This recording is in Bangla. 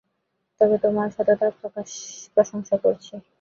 তবে তোমার সততার প্রশংসা করছি।